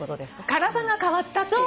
体が変わったっていうね。